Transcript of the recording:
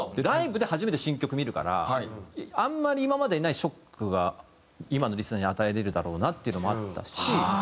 ライブで初めて新曲見るからあんまり今までにないショックが今のリスナーに与えられるだろうなっていうのもあったし。